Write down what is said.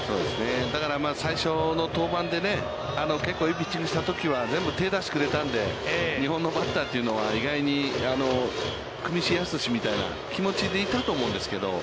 だから、最初の登板で結構いいピッチングしたときは全部手を出してくれたので、日本のバッターというのは、お互いにくみしやすしみたいな気持ちでいたと思うんですけれども